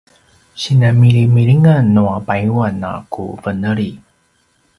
sinanmilimilingan nua payuan a ku veneli